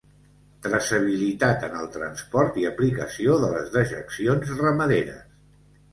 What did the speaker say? Traçabilitat en el transport i aplicació de les dejeccions ramaderes.